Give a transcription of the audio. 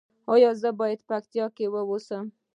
ایا زه باید په پکتیا کې اوسم؟